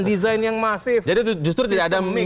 desain yang masif jadi justru tidak ada